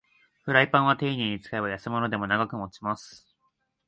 フライパンはていねいに使えば安物でも長く持ちます